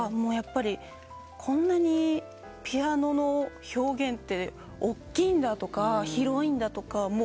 やっぱりこんなにピアノの表現っておっきいんだとか広いんだとか。